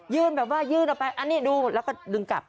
แบบว่ายื่นออกไปอันนี้ดูแล้วก็ดึงกลับ